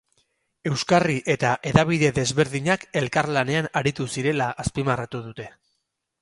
Euskarri eta hedabide desberdinak elkarlanean aritu zirela azpimarratu dute.